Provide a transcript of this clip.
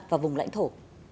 và vùng lãnh thổ